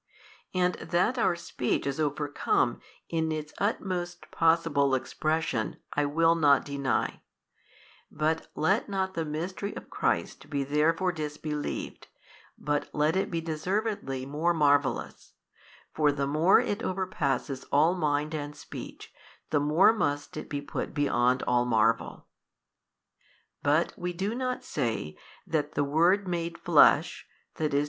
And that our speech is overcome in its utmost possible expression, I will not deny, but let not the Mystery of Christ be therefore disbelieved, but let it be deservedly |216 more marvellous: for the more it overpasses all mind and speech, the more must it be put beyond all marvel. But we do not say that the Word made Flesh, i. e.